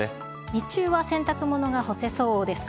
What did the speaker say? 日中は洗濯物が干せそうですか？